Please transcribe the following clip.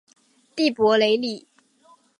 蒂珀雷里。